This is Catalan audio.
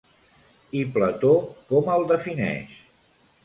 I Plató com el defineix?